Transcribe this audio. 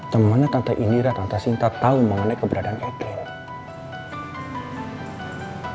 temannya tante indira tante sinta tahu mengenai keberadaan etel